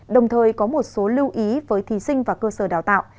đồng thời có một số lưu ý với thí sinh và cơ sở đào tạo